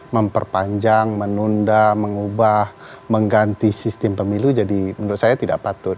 memperpanjang menunda mengubah mengganti sistem pemilu jadi menurut saya tidak patut